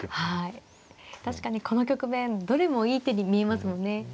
確かにこの局面どれもいい手に見えますもんね。